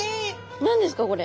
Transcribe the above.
何ですかこれ？